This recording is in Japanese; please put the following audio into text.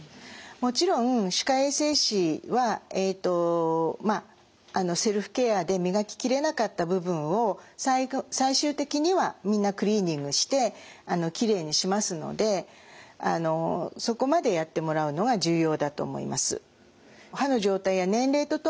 もちろん歯科衛生士はえとまあセルフケアで磨き切れなかった部分を最終的にはみんなクリーニングしてきれいにしますのでそこまでやってもらうのが重要だと思います。